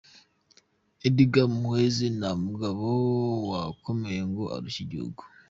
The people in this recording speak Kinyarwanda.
Edgar Muhwezi: “Nta mugabo wakomera ngo arushe igihugu.